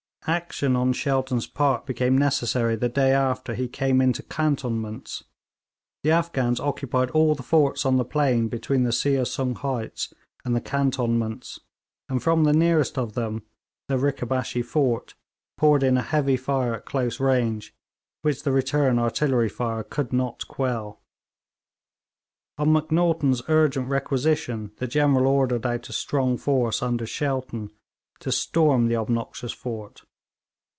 Action on Shelton's part became necessary the day after he came into cantonments. The Afghans occupied all the forts on the plain between the Seah Sung heights and the cantonments, and from the nearest of them, the Rikabashee fort, poured in a heavy fire at close range, which the return artillery fire could not quell. On Macnaghten's urgent requisition the General ordered out a strong force, under Shelton, to storm the obnoxious fort.